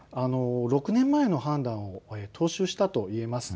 ６年前の判断を踏襲したといえます。